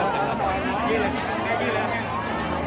สวัสดีครับ